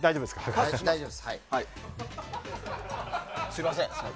すみません。